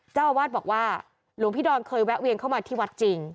เจ้าอาวาสบอกว่าหลวงพี่ดอนเคยแวะเวียนเข้ามาที่วัดจริง